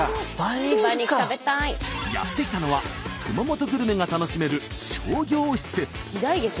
やって来たのは熊本グルメが楽しめる商業施設。